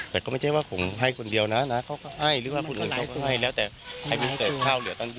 แต่ก็ไม่ใช่ว่าผมให้คนเดียวนะนะเขาก็ให้หรือว่าคนอื่นเขาก็ให้แล้วแต่ให้พิเศษข้าวเหลือตั้งเยอะ